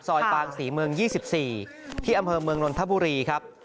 ปางศรีเมือง๒๔ที่อำเภอเมืองนนทบุรีครับ